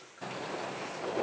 お！